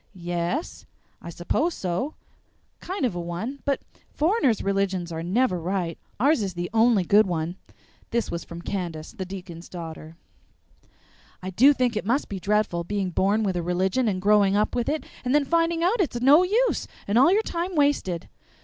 "Ye es, I s'pose so; kind of a one; but foreigners' religions are never right ours is the only good one." This was from Candace, the deacon's daughter. "I do think it must be dreadful, being born with a religion and growing up with it, and then finding out it's no use and all your time wasted!"